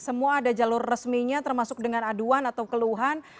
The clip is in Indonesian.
semua ada jalur resminya termasuk dengan aduan atau keluhan